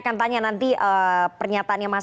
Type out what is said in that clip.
yang juga punya juga